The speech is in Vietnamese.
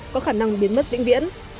có khả năng biến mất vĩnh viễn